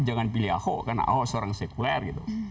jangan pilih aho karena aho seorang sekuler